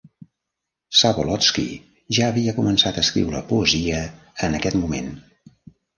Zabolotsky ja havia començat a escriure poesia en aquest moment.